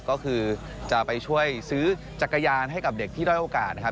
ก็คือจะไปช่วยซื้อจักรยานให้กับเด็กที่ด้อยโอกาสนะครับ